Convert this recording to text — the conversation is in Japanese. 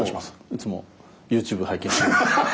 いつもＹｏｕＴｕｂｅ拝見して。